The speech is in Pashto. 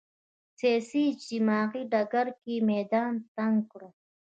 سیاسي اجتماعي ډګر کې میدان تنګ کړ